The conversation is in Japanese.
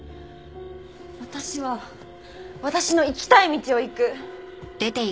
私は私の行きたい道を行く！